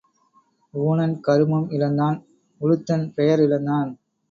ஊணன் கருமம் இழந்தான் உலுத்தன் பெயர் இழந்தான்.